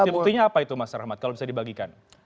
jadi buktinya apa itu mas rahmat kalau bisa dibagikan